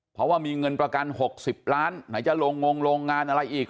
เพราะว่ามีเงินประกัน๖๐ล้านไหนจะลงงงโรงงานอะไรอีก